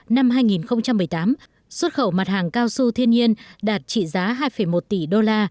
năm hai nghìn một mươi tám xuất khẩu mặt hàng cao su thiên nhiên đạt trị giá hai một tỷ đô la